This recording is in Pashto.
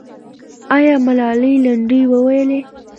آیا ملالۍ لنډۍ وویلې؟